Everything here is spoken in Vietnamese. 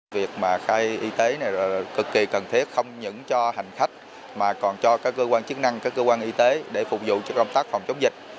việc khai y tế này cực kỳ cần thiết không những cho hành khách mà còn cho các cơ quan chức năng các cơ quan y tế để phục vụ trong tác phòng chống dịch